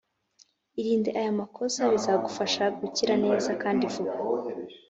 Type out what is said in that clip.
irinde aya makosa bizagufasha gukira neza kandi vuba